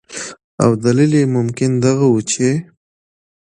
او دلیل یې ممکن دغه ؤ چې